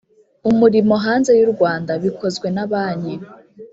umurimo hanze y u Rwanda bikozwe na Banki